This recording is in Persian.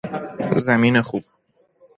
زمین خوب